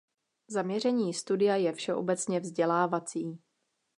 Zaměření studia je všeobecně vzdělávací.